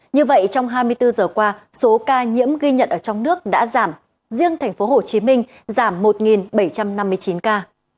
như vậy trong hai mươi bốn giờ qua số ca nhiễm ghi nhận ở trong nước đã giảm riêng tp hcm giảm một bảy trăm năm mươi chín ca